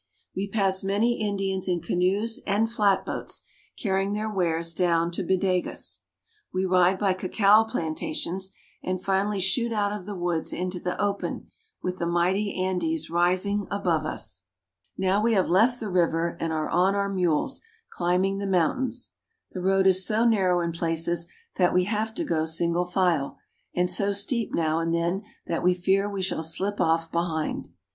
We pass many Indians in canoes and flatboats, carrying their wares down to Bodegas. We ride by cacao planta tions, and finally shoot out of the woods into the open, with the mighty Andes rising above us. Now we have left the river and are on our mules, climb ing the mountains. The road is so narrow in places that we have to go single file, and so steep now and then that we fear we shall slip off" behind.